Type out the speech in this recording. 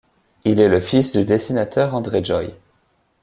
Il est le fils du dessinateur André Joy.